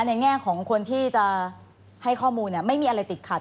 แง่ของคนที่จะให้ข้อมูลไม่มีอะไรติดขัด